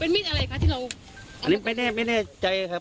มีดอะไรคะที่เราอันนี้ไม่แน่ไม่แน่ใจครับ